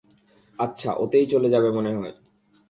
আচ্ছা, ওতেই চলে যাবে মনে হয়।